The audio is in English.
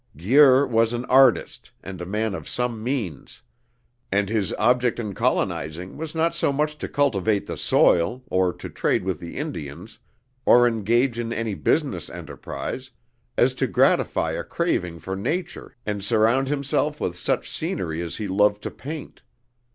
Guir was an artist, and a man of some means; and his object in colonizing was not so much to cultivate the soil, or to trade with the Indians, or engage in any business enterprise, as to gratify a craving for nature and surround himself with such scenery as he loved to paint.